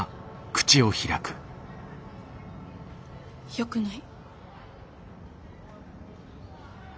よくない。